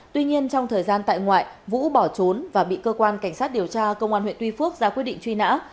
tuy nhiên trong thời gian tại ngoại vũ bỏ trốn và bị cơ quan cảnh sát điều tra công an huyện tuy phước ra quyết định truy nã